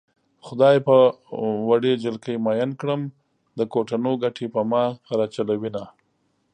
خدای په وړې جلکۍ مئين کړم د کوټنو ګټې په ما راچلوينه